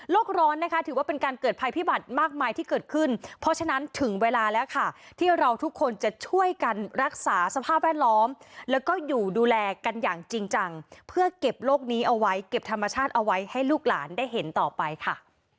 ร้อนนะคะถือว่าเป็นการเกิดภัยพิบัติมากมายที่เกิดขึ้นเพราะฉะนั้นถึงเวลาแล้วค่ะที่เราทุกคนจะช่วยกันรักษาสภาพแวดล้อมแล้วก็อยู่ดูแลกันอย่างจริงจังเพื่อเก็บโรคนี้เอาไว้เก็บธรรมชาติเอาไว้ให้ลูกหลานได้เห็นต่อไปค่ะ